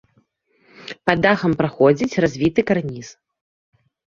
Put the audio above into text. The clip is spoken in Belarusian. Пад дахам праходзіць развіты карніз.